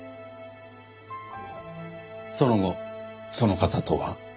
その後その方とは？